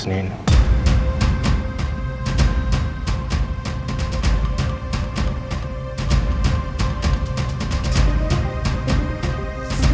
kayaknya nanti aku pilih aliran